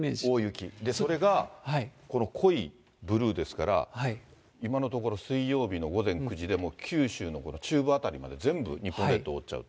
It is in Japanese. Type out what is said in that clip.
それがこの濃いブルーですから、今のところ水曜日の午前９時で、もう九州の中部辺りまで全部日本列島を覆っちゃうと。